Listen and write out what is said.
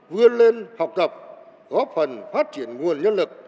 vươn lên học tập góp phần phát triển nguồn nhân lực